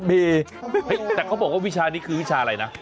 มีแต่เขาบอกว่าวิชานี้คือวิชาอะไรนะ